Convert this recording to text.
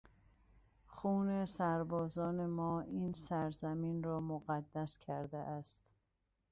خون سربازان ما این سرزمین را مقدس کرده است.